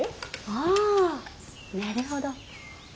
ああなるほど。